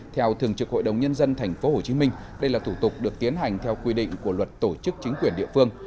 theo thường trực hội đồng nhân dân tp hcm đây là thủ tục được tiến hành theo quy định của luật tổ chức chính quyền địa phương